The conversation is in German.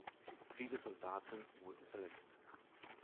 Viele Soldaten wurden verletzt.